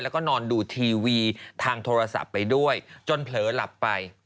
แล้วก็นอนดูทีวีทางโทรศัพท์ไปด้วยจนเผลอหลับไป